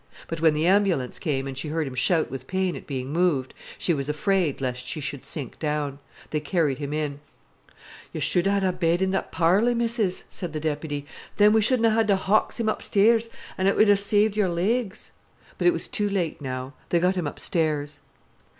But when the ambulance came, and she heard him shout with pain at being moved, she was afraid lest she should sink down. They carried him in. "Yo' should 'a' had a bed i' th' parlour, Missis," said the deputy, "then we shouldna ha' had to hawkse 'im upstairs, an' it 'ud 'a' saved your legs." But it was too late now. They got him upstairs.